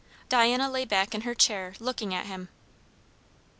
Diana lay back in her chair, looking at him.